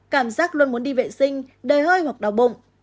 cảm giác luôn muốn đi vệ sinh đầy hơi hoặc đau bụng